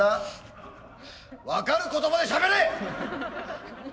分かる言葉でしゃべれ！